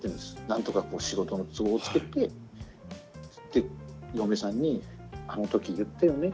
何とか仕事の都合をつけてで嫁さんに「あの時言ったよね？